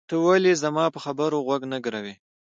ته ولې زما په خبرو غوږ نه ګروې؟